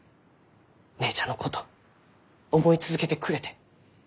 姉ちゃんのこと思い続けてくれて。